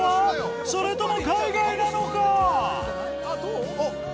それとも海外なのか！？